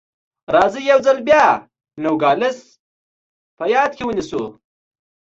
راځئ یو ځل بیا نوګالس په پام کې ونیسو.